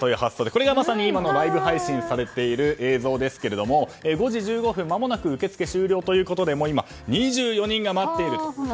これがまさに今ライブ配信されている映像ですが５時１５分間もなく受付終了ということで今、２４人が待っているという。